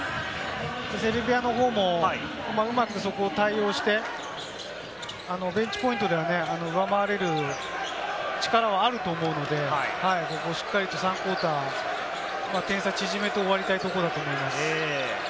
セルビアの方もうまくそこを対応してベンチポイントでは上回れる力はあると思うので、ここしっかり３クオーター、点差、縮めて終わりたいところだと思います。